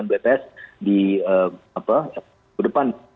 jadi kita bisa melihat kembangan bert di depan